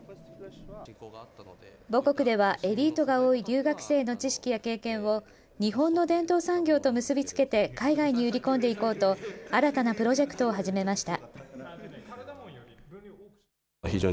母国では、エリートが多い留学生の知識や経験を、日本の伝統産業と結び付けて海外に売り込んでいこうと、新たなプロジェクトを始めました。